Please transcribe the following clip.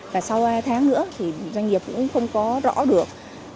và sau ba tháng nữa doanh nghiệp cũng không có rõ được